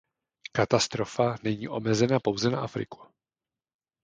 Katastrofa není omezena pouze na Afriku.